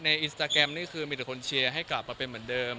อินสตาแกรมนี่คือมีแต่คนเชียร์ให้กลับมาเป็นเหมือนเดิม